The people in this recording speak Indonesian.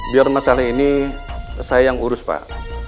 biar masalah ini saya yang urus pak